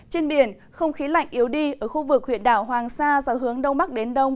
trên biển không khí lạnh yếu đi ở khu vực huyện đảo hoàng sa do hướng đông bắc đến đông